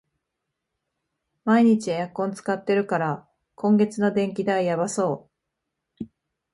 毎日エアコン使ってるから、今月の電気代やばそう